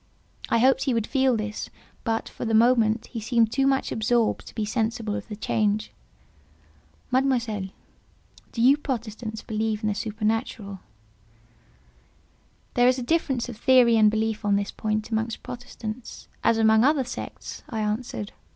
I hoped he would feel this, but, for the moment, he seemed too much absorbed to be sensible of the change. "Mademoiselle, do you Protestants believe in the supernatural?" "There is a difference of theory and belief on this point amongst Protestants as amongst other sects," I answered.